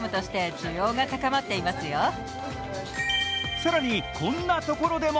更に、こんなところでも